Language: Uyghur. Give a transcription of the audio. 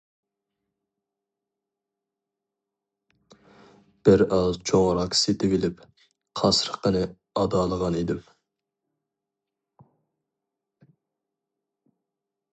بىر ئاز چوڭ راك سېتىۋېلىپ، قاسرىقىنى ئادالىغان ئىدىم.